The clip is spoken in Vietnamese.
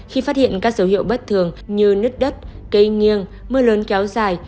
khi phát hiện các dấu hiệu bất thường như nứt đất cây nghiêng mưa lớn kéo dài